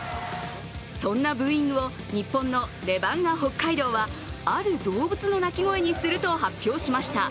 そんなブーイングを日本のレバンガ北海道はある動物の鳴き声にすると発表しました。